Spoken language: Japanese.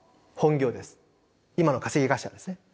今の稼ぎ頭ですね。